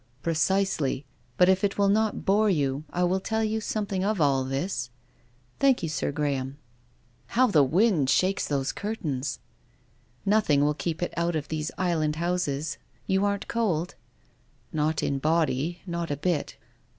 " Precisely. But if it will not bore you, I will tell you something of all this." " Thank you. Sir Graham." " How the wind shakes those curtains !"" Nothing will keep it out of these island houses. You aren't cold ?"" Not in body, not a bit.